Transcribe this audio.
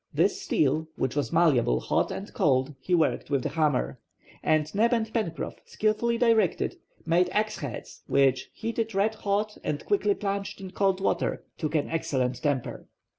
This steel, which was malleable hot and cold, he worked with the hammer. And Neb and Pencroff, skillfully directed, made axe heads, which, heated red hot and quickly plunged in cold water, took an excellent temper.